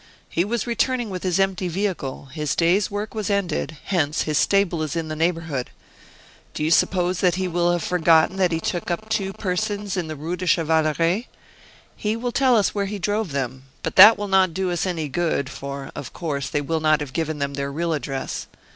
He was returning with his empty vehicle, his day's work was ended; hence, his stable is in the neighborhood. Do you suppose that he will have forgotten that he took up two persons in the Rue du Chevaleret? He will tell us where he drove them; but that will not do us any good, for, of course, they will not have given him their real address.